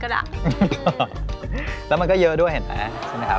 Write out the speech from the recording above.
แล้วมันก็เยอะด้วยเห็นไหมใช่ไหมครับ